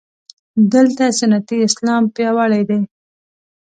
دلته سنتي اسلام پیاوړی دی.